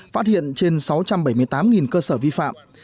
phát hiện trên sáu trăm bảy mươi tám cơ sở vi phạm